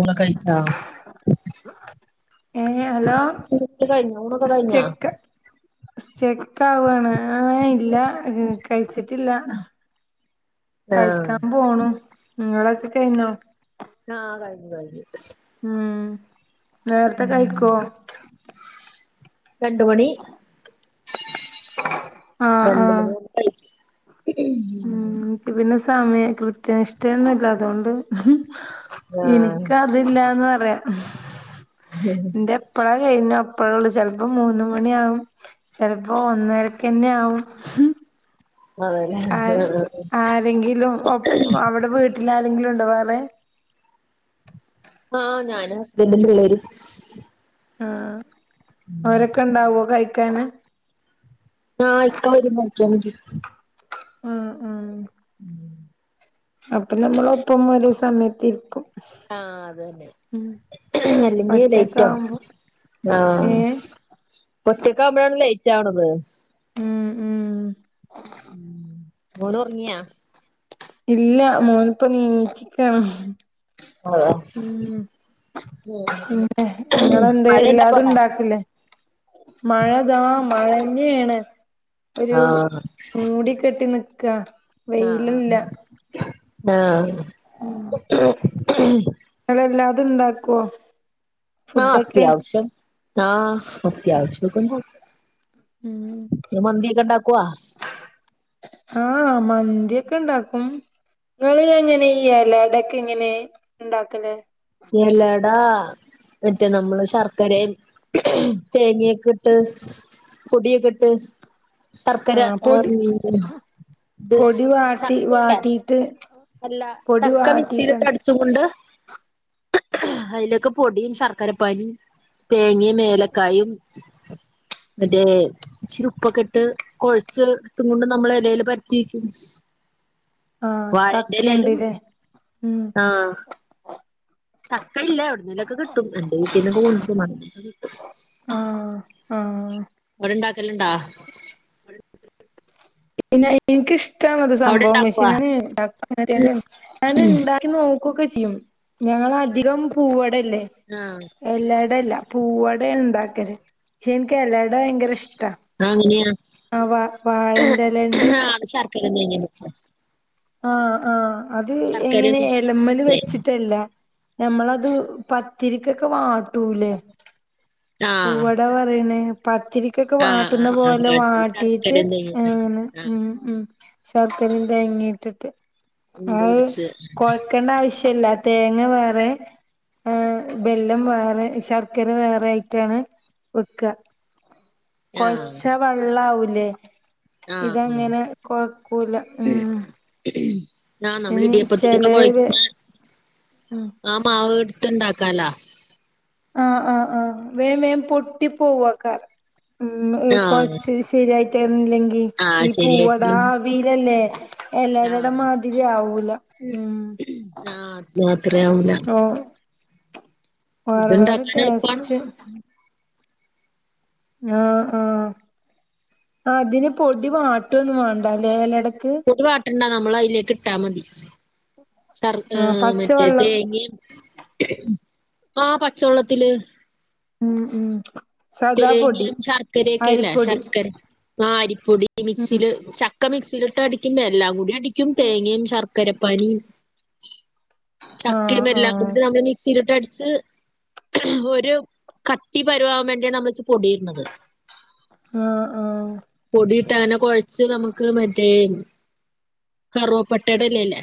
ഊണൊക്കെ കഴിച്ച? ഏഹ് ഹലോ കഴിഞ്ഞ ഊണൊക്കെ കഴിഞ്ഞാ സ്റ്റക്കാവാണ് ആഹ് ഇല്ല കഴിച്ചിട്ടില്ല ആഹ് കഴിക്കാൻ പോണു നിങ്ങളൊക്കെ കയിഞ്ഞോ ആഹ് കഴിഞ്ഞ് കഴിഞ്ഞ് മ്മ്ഹ് നേരത്തെ ഉം കയിക്കുവോ രണ്ട് മണി ആഹ് രണ്ട് ആഹ് മണിയാവുമ്പ കഴിക്കും ഉം എനിക്ക് പിന്നെ സമയ കൃത്യനിഷ്ഠന്നില്ല അതുകൊണ്ട് ആഹ് എനിക്ക അതില്ലാന്ന് പറയാം ഉം എന്റെ എപ്പഴാ കഴിഞ്ഞു അപ്പഴേള്ളൂ ചിലപ്പോ മൂന്ന് മണിയാകും ചിലപ്പോ ഒന്നരക്ക തന്നെ ആവും അതെലേ [unintelligible] എന്തേങ്കിലും അവിടെ വീട്ടിൽ ആരെങ്കിലും ഉണ്ടോ വേറെ? ആഹ് ഞാന് ഹസ്ബൻഡും പിള്ളേരും ആഹ് അവരൊക്കെ ഉണ്ടാവോ കഴിക്കാന് ആഹ് ഇപ്പം [unintelligible] ഉം [inaudible] അപ്പൊ നമ്മള് ഒപ്പം ഒരേ സമയത്ത് ഇരിക്കും ആഹ് അത് തന്നെ ലെഞ്ച് ലേറ്റ് ആയി ഒറ്റക്കാവുമ്പോ ഏ ആഹ് ഒറ്റക്ക് ആവുമ്പോഴാണോ ലേറ്റ് ആവണത്? ഉം ഉം ഉം മോന് ഉറങ്ങിയാ ഇല്ല മോന്പ്പ നിക്കണ് ഉം പിന്നെ നിങ്ങെന്ത് മഴയുണ്ടപ്പോ എല്ലാതും അവിടെ ഉണ്ടാക്കില്ലേ മഴതാ മഴ തന്നെയാണ് ഒരു ആഹ് മൂടി കെട്ടി നിക്കാ ആഹ് വെയിൽല്ലാ ആഹ് നിങ്ങള് അത് ഉണ്ടാക്കുവോ ആഹ് ഫുഡൊക്കെ അത്യവശ്യം ആഹ് അത്യാവശ്യം ഉണ്ടാ ഉം മന്തിക്കേണ്ടാക്കുവോ ആഹ് മന്തിയൊക്കെ ഇണ്ടാക്കും നിങ്ങള് എങ്ങനെ ഈ ഇലടക്കെ ഇങ്ങനെ ഉണ്ടാക്കലേ ഇലട മറ്റേ നമ്മള് ശർക്കരയും തേങ്ങയൊക്കെട്ട് പൊടിയൊക്കെ ഇട്ട് ശർക്കര ആഹ് പൊടി [unintelligible] ഇത് പൊടി വാട്ടി ചക്കയല്ല വാട്ടീട്ട് അല്ല പൊടി ചക്ക മിക്സിയിലിട്ട് വാട്ടിട്ടാണ് ചെ അടിച്ച് കൊണ്ട് അതിലേക്ക് പൊടിയും ശർക്കരപ്പാനിയും തേങ്ങയും ഏലക്കായും മറ്റേ ഇച്ചിരി ഉപ്പൊക്കെ ഇട്ട് കൊഴച്ച് ഇട്ടും കൊണ്ട് നമ്മള് ഇലയിൽ പരത്തി വക്കും ആഹ് വാഴേന്റെ ഇലേലും ചക്കണ്ട്ല്ലേ ഉം ആഹ് ചക്ക ഇല്ല എവിടുന്നേലൊക്കെ കിട്ടും എന്റെ വീട്ടീ [unintelligible] ആഹ് ആഹ് അവിടെ ഉണ്ടാക്കലുണ്ടാ പിന്നെ എനിക്കിഷ്ടം ആണത് അവിടെ സംഭവം പക്ഷേ ഇണ്ടാക്കുവാ ഞാൻ ഇണ്ടാക്കി [unintelligible] ഞാൻ ഇണ്ടാക്കി നോ ക്കുവൊക്കെ ചെയ്യും ഞങ്ങള് അധികം പൂവടയല്ലേ ആഹ് എലയട അല്ല പൂവടയാ ഉണ്ടാക്കല് പക്ഷെ എനിക്ക് എലയട ഭയങ്കര ഇഷ്ടവാ അത് ഏങ്ങനെയാ ആ വാ വാഴേന്റെ ഇല കൊണ്ട് [unintelligible] ആഹ് ആഹ് അത് ശർക്കരേം എങ്ങനെ എലമല് തേങ്ങേ വെച്ചിട്ടല്ല ഞമ്മളത് പത്തിരിക്കൊക്കെ വാട്ടൂല്ലേ ആഹ് പൂവട പറയണേ പത്തിരിക്കൊക്കെ ആഹ് വാട്ടുന്ന ആഹ് ആഹ് പോലെ കാച്ചി വാട്ടീട്ട് ശർക്കരേം തേങ്ങേം ഇങ്ങനെ ആഹ് ഉം ഉം ശർക്കരയും തേങ്ങയിട്ടിട്ട് ഉണ്ട അത് പിടിച്ച് കൊ ഴക്കേണ്ട ആവശ്യമില്ല തേങ്ങ വേറെ ആഹ് ബെല്ലം വേറെ ശർക്കര വേറെ ആയി ട്ടാണ് വെക്കുക ആഹ് കൊഴച്ചാ വെള്ളം ആവൂലേ ആഹ് ആഹ് ഇതങ്ങനെ കൊഴക്കൂല ഉം ആഹ് നമ്മള് ഇനി ഇടിയപ്പത്തിനൊക്കെ കുഴക്കുന്ന ആഹ് ആഹ് മാവ് എടുത്ത് ഉണ്ടാക്കാലാ ആഹ് ആഹ് ആഹ് വേഗം വേഗം പൊട്ടി പോവാക്കാർ ഉം ആഹ് കൊഴച്ച് ശരിയായിട്ടുന്നില്ലെങ്കി ആഹ് ഈ പൂവട ശരിയായിട്ട് ആവിയിൽ അല്ലേ എലയടയുടെ ആഹ് മാതിരി ആവൂല ഉം ആഹ് അത്ര ആവൂല വേറെ വേറെ ഇത്ണ്ടാക്കാൻ എളുപ്പാണ് ടേസ്റ്റ് ആഹ് ആഹ് അതിന് പൊടി വാട്ടുവൊന്നും വേണ്ടല്ലേ ഇല അടക്ക് പൊടി വാട്ടണ്ട നമ്മൾ അതിലേക്ക് ഇട്ടാ മതി ശർ ആഹ് മറ്റേ പച്ചവെള്ളം തേങ്ങയും ആഹ് പച്ചവെള്ളത്തില് ഉം ഉം സാദാ പൊടി തേങ്ങയും ശർക്കരൊക്കെ ഇല്ലേ അരിപ്പൊടി ശർക്കര അപ്പൊ അരിപ്പൊടി ഉം മിക്സിയില് ഒക്കെ മിക്സിയിലിട്ട് അടിക്കുമ്പോ എല്ലാം കൂടി അടിക്കും തേങ്ങയും ശർക്കരപ്പാനിയും ആഹ് ചക്കയും ആഹ് എല്ലാം കൂടിയിട്ട് ആഹ് നമ്മള് മി ക്സിയിൽ ഇട്ട് അടിച്ച് ഒരു കട്ടി പരുവാവാൻ വേണ്ടി യാണ് നമ്മൾ ഇച്ചിരി പൊടിയിടുന്നത് ആഹ് ആഹ് പൊടിയിട്ട് അങ്ങനെ കുഴച്ച് നമുക്ക് മറ്റേ കറുവപ്പട്ടയുടെ ഇലയില്ലേ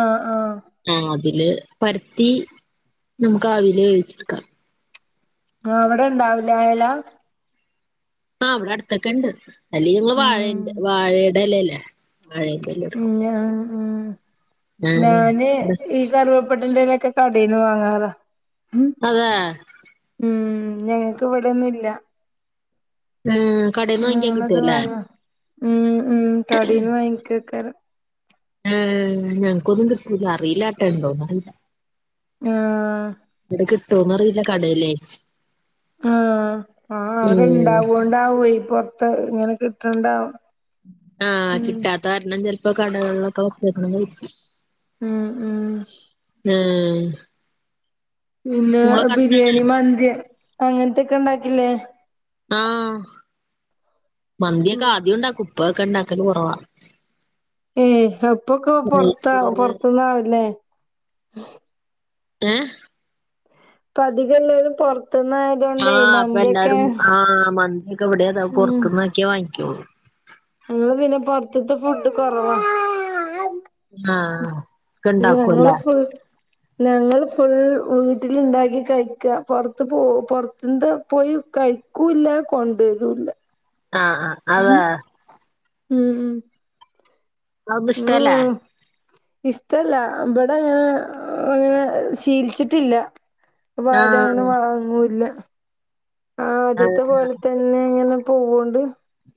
ആഹ് ആഹ് ആഹ് അതില് പരത്തി നമുക്ക് ആവിൽ വേവിച്ചെടുക്കാം ആഹ് അവിടെ ഉണ്ടാവില്ല അയല ആഹ് അവിടെ അടുത്തൊക്കെയുണ്ട് അല്ലേ ഞങ്ങള് ഉം വാഴേന്റെ വാഴയുടെ എലയില്ലേ വാഴേന്റെ ഇല ഉം എടുക്കും ആ ഞാന് ഈ കറിവപ്പട്ടേന്റെ ഇലയൊക്കെ കടേന്ന് വാങ്ങാറാ അതേ ഉം ഞങ്ങൾക്ക് ഇവിടൊന്നുമില്ല ആഹ് കടയിൽന്ന് വാങ്ങിക്കാൻ ഞങ്ങളത് കിട്ടുല്ലേ വാങ്ങ ഉം ഉം കടീന്ന് വാങ്ങിക്കക്കാരം ഏഹ് ഞങ്ങക്കൊന്നും കിട്ടുലാ അറിയില്ലാട്ട ഉണ്ടോന്ന് [unintelligible] ആഹ് ഇവിടെ കിട്ടോന്നറിയില്ല കടേല്ലേ ആഹ് ആഹ് അവടെ ഉം ഇണ്ടാവോണ്ടാവെ പൊർത്ത് ഇങ്ങനെ കിട്ട്ണ്ടാവും ആഹ് കിട്ടാത്ത കാരണം ചെൽപ്പോ കടകളിലൊക്കെ വച്ചേക്ക്ണത്. ഉം ഉം ആഹ് പിന്നെ ബിരിയാണി മന്തി അങ്ങനത്തൊക്കെ ഇണ്ടാക്കില്ലേ ആഹ് മന്തിയൊക്കെ ഉം ആദ്യം ഉണ്ടാക്കും ഇപ്പൊക്കെ ഉണ്ടാക്കല് കൊറവാ ഏയ് ഇപ്പൊക്കെ പൊർത്ത നെയ്ച്ചോറ് പൊർത്ത്ന്നാവുല്ലേ ഏഹ് ഇപ്പ അധിക എല്ലാരും പോർത്ത്ന്ന ആഹ് അപ്പൊ എല്ലാരും ആഹ് മന്തിയൊക്കെ ഇവിടെത പൊർത്ത്ന്നക്കേ വാങ്ങിക്കുള്ളൂ ങ്ങള് പിന്നെ പൊർത്ത്ത്തെ ഫുഡ് കൊറവാ ആഹ് ഒക്കെ ഞങ്ങള് ഇണ്ടാക്കുംല്ലേ ഫുൾ ഞങ്ങൾ ഫുൾ വീട്ടിലിണ്ടാക്കി കഴിക്ക പൊർത്ത് പോ പാർത്ത്ന്താ പോയി കഴി ക്കൂല്ല കൊണ്ടരൂല്ല ആഹ് ആഹ് അതാ ഉം അതന്നും ഇഷ്ടല്ലേ ഉം ഇഷ്ടല്ല ഇബടെ അങ്ങനെ അങ്ങനെ ശീലിച്ചിട്ടില്ല അപ്പൊ ആരും അങ്ങനെ ആഹ് വാങ്ങൂല്ല ആഹ് ആദ്യത്തെ പോലെ തന്നെ ഇങ്ങനെ പോവോണ്ട്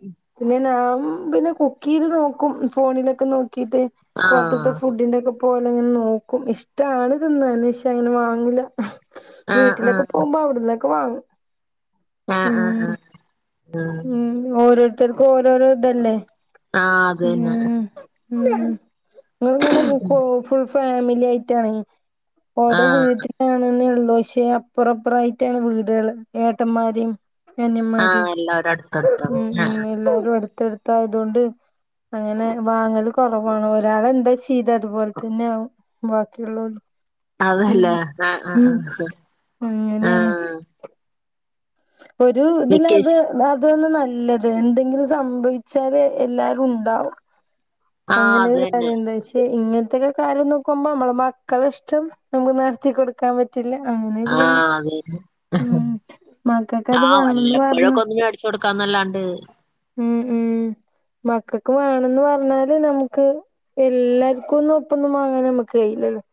ഉം പിന്നെ ഞാഠപിന്നെ കുക്ക് ചെയ്ത് നോക്കും ഫോണിലൊക്കെ നോക്കിട്ട് ആഹ് പൊർത്ത്ത്തെ ഫുഡിന്റെ ഒക്കെ പോലെ ഇങ്ങനെ നോക്കും ഇഷ്ടാണ് തിന്നാൻ പഷേ അങ്ങനെ വാങ്ങൂല്ല ആഹ് വീട്ടിലൊക്കെ ആഹ് പോകുമ്പോ അവിട്ന്നൊക്കെ വാങ്ങും ആഹ് ആഹ് ആഹ് ഉം ളം ഓരോരുത്തർക്കും ഓരോരോ ഇതല്ലേ ആഹ് ഉം അതന്നെ ഉം ങ്ങള്ങ്ങനെകോ ഫുൾ ഫാമിലി ആയിട്ടാണ് ഓരോ ആഹ് വീട്ടിലാണെന്നേ ഉള്ളൂ പക്ഷേ അപ്പുറപ്പുറായിട്ടാണ് വീടുകൾ ഏട്ടന്മാരിം അനിയന്മാരിം ആഹ് എല്ലാരും അടുത്തടുത്താണ് ഉം ഉം ആഹ് എല്ലാരും അടുത്തടുത്തായതുകൊണ്ട് അങ്ങനെ വാങ്ങല് കൊറവാണ് ഒരാളെ എന്താ ചെയ്ത് അതുപോലെ തന്നെയാകും ബാക്കിയുള്ളോരും അതല്ലേ ആഹ് ആഹ് ആഹ് അങ്ങനെയാണ് ആഹ് ഒരു ഇതിലത് വെക്കേഷൻ അതന്ന് നല്ലത് എന്തെങ്കിലും സംഭവിച്ചാല് എല്ലാരും ഉണ്ടാവും ആഹ് അത് അങ്ങനെരു തന്നെ കാര്യം എന്തായ്ച്ച ഇങ്ങനത്തെക്കെ കാര്യം നോക്കുമ്പോ നമ്മളെ മക്കള ഇഷ്ടം നമുക്ക് നട്ത്തി കൊട്ക്കാൻ പ പറ്റില്ല അങ്ങനെരു ഇതാണ് അതെ മക്കക്കത് ആഹ് വേണംന്ന് വല്ലപ്പോഴൊക്കെ പറഞ്ഞ് ഒന്ന മേട്ച്ചു കൊടുക്കാന്നല്ലാണ്ട് ഉം ഉം മക്കൾക്ക് വേണംന്ന് പറഞ്ഞാല് നമുക്ക് എല്ലാർക്കും ഒന്നും ഒപ്പൊന്നും വാങ്ങാന നമ്മുക്ക് കഴയില്ലല്ലോ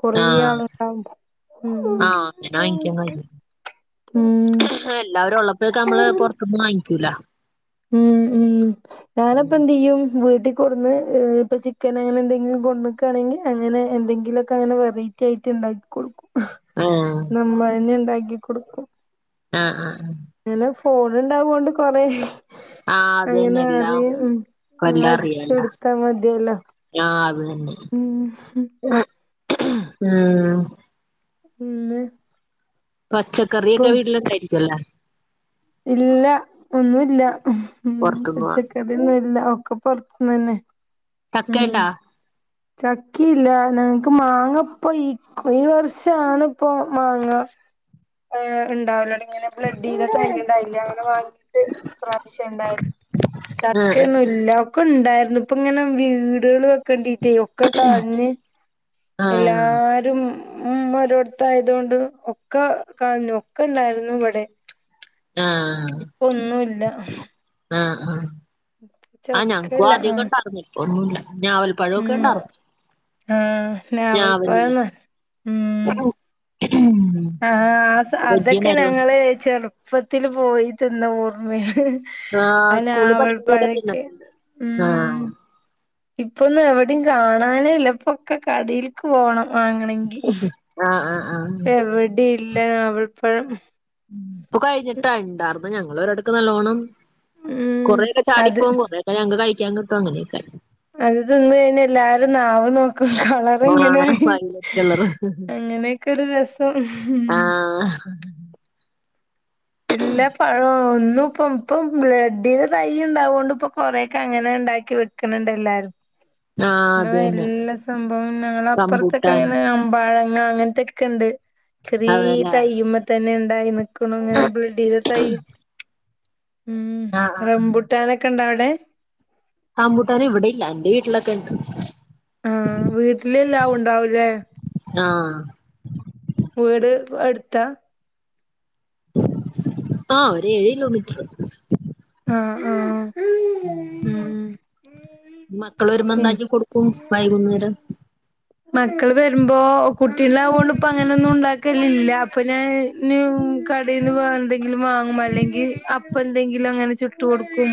കൊറെ ആഹ് ആള്ണ്ടാവുമ്പം ഉം ആഹ് അങ്ങനെ വാങ്ങിക്കാൻ കഴിയും ഉം എല്ലാവരും ഉള്ളപ്പോക്കെ നമ്മള് പൊർത്ത്ന്ന് വാങ്ങിക്കൂല ഉം ഉം ഞാനപ്പ എന്ത് ചെയ്യും വീട്ട് കൊട്ന്ന് ഹ് ഇപ്പൊ ചിക്കന് അങ്ങനെ എന്തെങ്കിലും കൊട്ന്നക്കാണെങ്കിൽ അങ്ങനെ എന്തെങ്കിലൊക്കെ അങ്ങനെ വെറൈ റ്റി അയ്റ്റം ഉണ്ടാക്കി കൊടുക്കും ആഹ് നമ്മഴെ ഉണ്ടാക്കി കൊടുക്കും ആഹ് ആഹ് അങ്ങനെ ഫോൺ ഇണ്ടാവോണ്ട് കൊറെ ആഹ് അത് തന്നെ അങ്ങനെ എല്ലാം അറിയ് ഇപ്പ എല്ലാം അറിയാല്ല അടിച്ചുടുത്താ മതിയല്ലോ ആഹ് അത് തന്നെ ഉം ഉം ഇന്ന് പച്ചക്കറിയോക്കെ ഇപ്പം വീട്ടിലുണ്ടായിരിക്കുംല്ലേ ഇല്ല ഒന്നുല്ല പുറത്തുന്ന് വാങ്ങ പച്ചക്ക് റൊന്നും ഇല്ല ഒക്കെ പുറത്തുന്ന് തന്നെ ഉം ചക്കയുണ്ടാ ചക്കില്ല ഞങ്ങക്ക് മാങ്ങപ്പോ ഈ ഈ വർഷണ ഇപ്പൊ മാങ്ങ ഹ് ഉണ്ടാവല ങ്ങനെ ബ്ലഡ് ചെയ്ത തന്നണ്ടായില്ല അങ്ങനെ വാങ്ങീട്ട് പ്രാവശ്യം ഉണ്ടായിരുന്നു ചക്ക ആഹ് ഒന്നും ഇല്ല ഒക്കെ ഉണ്ടായിരുന്നു ഇപ്പ ഇങ്ങനെ വീടുക വെക്കേണ്ടിട്ടേ ഒക്കെ കഞ്ഞ് ആഹ് എല്ലാരും ഉ ഒരോടത്ത ആയതൊണ്ട് ഒക്കെ കാഞ്ഞു ഒക്കെ ഇണ്ടായിരുന്നു ഇവിടെ ആഹ് ഇപ്പൊ ഒന്നുല്ല ആഹ് ആഹ് ആ ഞങ്ങക്കും ചക്കല്ല ആഹ് ആദ്യക്കണ്ടായിരുന്നു ഇപ്പൊ ഒന്നുല്ല ഞവൽ പഴഒക്കെ ഉം ഇണ്ടാറു ആഹ് ഞവൽ ഇല്ലേ ഞാവൽപ്പഴംന്ന് ഉം ആ വലിയ അതൊക്കെ മരമുണ്ട് ഞങ്ങള് ചെറുപ്പത്തിൽ പോയി തിന്ന ഓർമ്മേണ് ആ ആഹ് സ്കൂളിൽ ഞാവൽ പഠിക്കുമ്പോക്കെ പഴൊക്കെ തിന്നിട്ടുണ്ട് ഉം ആഹ് ഇപ്പൊന്നും എവിടെയും കാണാനേല്ല ഇപ്പൊ ഓക്കെ കടൽക്ക് പോണം ആഹ ആഹ് ആഹ് എവിടെ ഇല്ല ഞാവൽ പഴം ഇപ്പൊ കഴിഞ്ഞിട്ടാ ഇണ്ടാർന്നു ഞങ്ങള ഒരടക്ക് നല്ലോണം ഉം കുറെക്കെ അത് ചാടിപ്പോകും കുറേക്കെ ഞങ്ങക്ക് കഴിക്കാൻ കിട്ടും അങ്ങനെയൊക്കെ അത് തിന്ന കഴിഞ്ഞ എല്ലാരും നാവ് നോക്കും ആഹ് അതങ്ങനായി വയലറ്റ് കളറ് അങ്ങനെയൊക്കെ ഒരു രസം ഉം ആഹ് ഇല്ല പഴം ഒന്നും ഇപ്പം ഇപ്പം ബഡ്ഡ് തൈ ഉണ്ടാവ കൊണ്ട് ഇപ്പൊ കൊറെയൊക്കെ അങ്ങനെ ഉണ്ടാക്കി വെ ക്ക്ണ്ണ്ടേല്ലാരും ആഹ് അത് തന്നെ എല്ല സംഭവം ഞങ്ങളപ്പുറക്കെ റംബൂട്ടാൻ അങ്ങനെ പാഴങ്ങ അങ്ങനത്തെൊക്കെ ഉണ്ട് ചെറിയ അതേല്ലേ തയ്യ്മ തന്നെ ഇണ്ടായി അങ്ങനെ ബെഡ് ചെയ്ത തൈ ഉ ആഹ് ആഹ് റംബുട്ടാനൊക്കെ ഉണ്ടാ അവിടെ റംമ്പൂട്ടന് ഇവിടെ ഇല്ല എന്റെ വീട്ടിലൊക്കെ ഉണ്ട് ആ വീട്ടിലെല്ലാവും ഉണ്ടാവൂലേ ആഹ് വീട് എട്ത്താ ആ ഒരു ഏഴ് കിലോമീറ്റർ ആഹ് ആഹ് ഉം മക്കൾ ഉം വരുമ്പോന്താക്കി കൊടുക്കും വൈകുന്നേരം മക്കള് വരുമ്പോ കുട്ടിണ്ടാവോണ്ടപ്പോ അങ്ങനെയൊന്നും ഉണ്ടാക്കലല്ല അപ്പൊ ഞാൻ കടയിൽന്ന് എന്തെങ്കിലും വാങ്ങും അല്ലെങ്കിൽ അപ്പ എന്തെങ്കിലും അങ്ങനെ ചുട്ട് കൊടുക്കും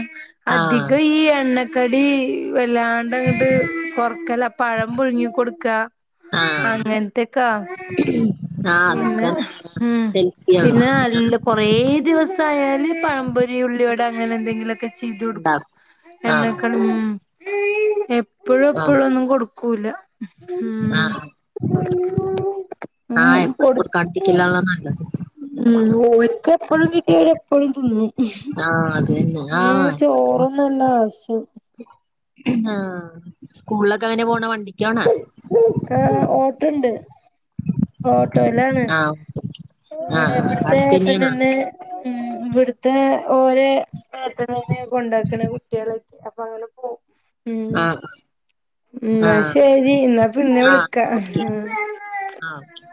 ആഹ് അധികം ഈ എണ്ണക്കടി വല്ലാണ്ട് അങ്ങട്ട് കൊറക്കല പഴം പുഴുങ്ങി കൊട്ക്കാ അങ്ങൻത്തക്കാ ആ അതൊക്കെ നല്ലതാ ഹെൽത്തി ആണ് പിന്നെ നല്ല കുറേ ദിവസം ആയാല് പഴപൊരി ഉള്ളിവട അങ്ങനെ എന്തെങ്കിലൊക്കെ ക്കെ ചെയ്തു കൊടുക്കും ഉണ്ടാക്കും ആഹ് എണ്ണകളും എപ്പഴും ആഹ് എപ്പഴും ഒന്നും കൊടുക്കൂല ഉം ആഹ ഉം എപ്പഴും കൊടു കൊടുക്കണ്ടിരിക്കല നല്ലത് ഉം ഓൽക്ക് എപ്പോളും കിട്ടിയ എപ്പോളും തിന്നും ആഹ അതന്നെ ഉം ചോറോന്നുല്ല ആവശ്യം ആഹ സ്കൂളിലൊക്കെ എങ്ങനെ പോണ വണ്ടിക്കാണോ ആഹ് ഓട്ടോ ഉണ്ട് ഓട്ടോയിലാണ് ആഹ് ഇവിടെ ആഹ് ഇവിടത്തെ അടുത്തന്നെയാണോ ഏട്ടനെന്നെ ഉം ഇവിടത്തെ ഓരോ വാപ്പാനെന്നെ കൊണ്ടാക്കണ കുട്ടികളെ അപ്പൊ അങ്ങനെപ്പോവും ഉം ആഹ് ന്നാ ആഹ് ശരി ന്നാ പിന്നെ വിളിക്ക ആഹ് ആഹ് ഓക്കെ